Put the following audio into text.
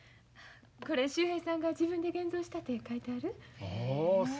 これ秀平さんが自分で現像したて書いてある。